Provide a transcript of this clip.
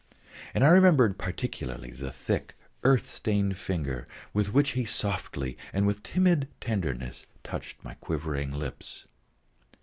And I remembered particularly the thick earth stained finger with which he softly and with timid tenderness touched my quivering lips.